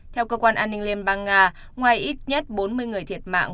theo cơ quan an ninh liên bang nga ngoài ít nhất bốn mươi người thiệt mạng